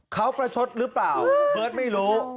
เขาประชดหรือเปล่าเบิร์ตไม่รู้